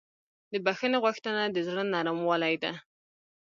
د بښنې غوښتنه د زړه نرموالی ده.